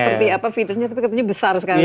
seperti apa feeder nya tapi katanya besar sekali ya